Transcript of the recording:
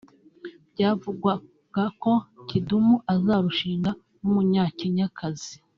Byavugwaga ko Kidumu azarushinga n’Umunyakenyakazi